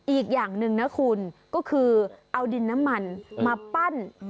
อีกอย่างหนึ่งนะคุณก็คือเอาดินน้ำมันมาปั้น